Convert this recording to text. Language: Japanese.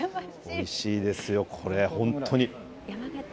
おいしいですよ、これ、本当に。